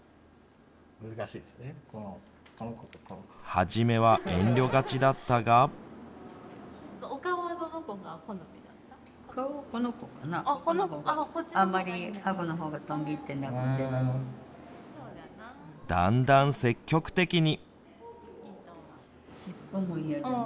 初めは遠慮がちだったがだんだん積極的に。